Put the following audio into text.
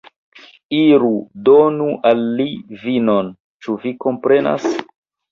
Iru, donu al li vinon, ĉu vi komprenas?